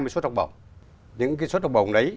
hai mươi xuất học bổng những cái xuất học bổng đấy